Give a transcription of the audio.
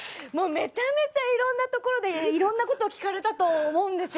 めちゃめちゃいろんなところでいろんなこと聞かれたと思うんですよ